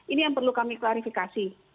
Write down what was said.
ini yang perlu kami klarifikasi